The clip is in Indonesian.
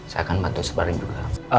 saya akan bantu sebarkan juga